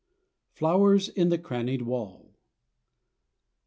FLOWERS IN THE CRANNIED WALL.